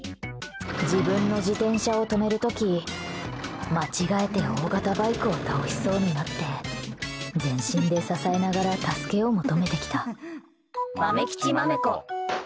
自分の自転車を止める時間違えて大型バイクを倒しそうになって全身で支えながら助けを求めてきた。